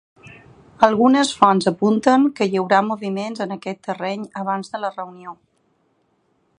Algunes fonts apunten que hi haurà moviments en aquest terreny abans de la reunió.